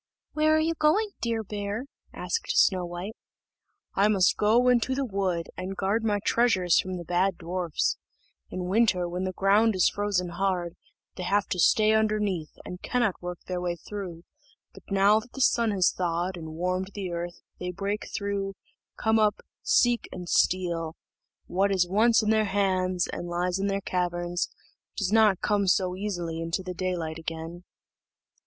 "Where are you going, dear Bear?" asked Snow white. "I must go into the wood, and guard my treasures from the bad dwarfs; in winter, when the ground is frozen hard, they have to stay underneath, and cannot work their way through, but now that the sun has thawed and warmed the earth, they break through, come up, seek, and steal: what is once in their hands, and lies in their caverns, does not come so easily into daylight again."